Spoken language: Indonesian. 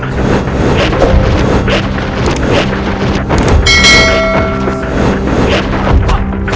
atau kejayaan paduka raja